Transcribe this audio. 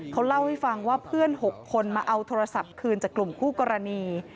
เขาเล่าให้ฟังว่าเพื่อน๖คนมาเอาโทรศัพท์คืนจากกลุ่มคู่กรณี